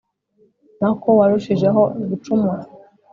nako warushijeho gucumura